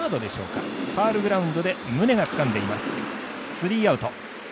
スリーアウト。